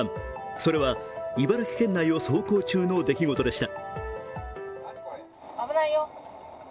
それは茨城県内を走行中の出来事でした。